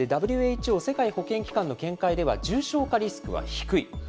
ＷＨＯ・世界保健機関の見解では、重症化リスクは低い。